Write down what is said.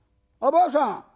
ばあさん